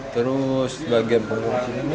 terus bagian punggung usaidiy aniaya suaminya